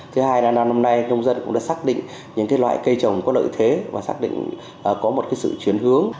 thứ hai là năm nay nông dân cũng đã xác định những loại cây trồng có lợi thế và xác định có một sự chuyển hướng